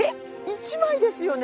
１枚ですよね？